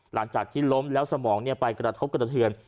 หลังจากที่ล้มแล้วสมองไปกระทบกระเทือน